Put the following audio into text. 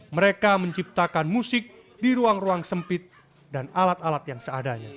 mereka menciptakan musik di ruang ruang sempit dan alat alat yang seadanya